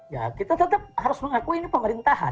ya kita tetap harus mengakui ini pemerintahan